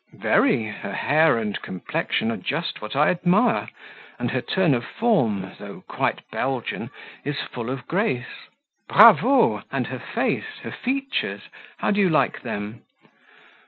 "Very; her hair and complexion are just what I admire; and her turn of form, though quite Belgian, is full of grace." "Bravo! and her face? her features? How do you like them?"